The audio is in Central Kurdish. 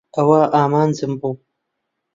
ئەوە ئامانجم بوو.